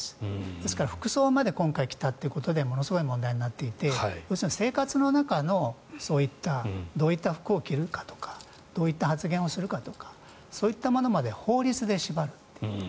ですから服装まで今回来たということでものすごい問題になっていて生活の中のそういったどういった服装を着るかとかどういった発言をするかとかそういったものまで法律で縛る。